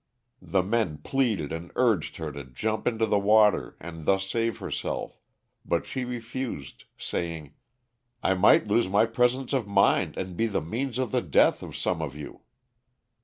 The men pleaded and urged her to jump into the water and thus save herself, but she refused, saying: ''I might lose my presence of mind and be the means of the death of some of you."